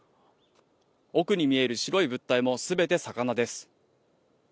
奥に見える白い物体もすべて魚です。